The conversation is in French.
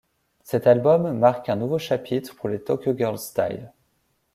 Cet album marque un nouveau chapitre pour les Tokyo Girls’ Style.